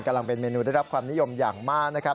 กำลังเป็นเมนูได้รับความนิยมอย่างมากนะครับ